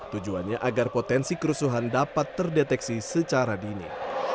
tujuannya agar potensi kerusuhan dapat terdeteksi secara dini